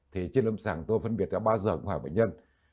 thì trên lâm sàng tôi phân biệt cả ba giờ của họa bệnh nhân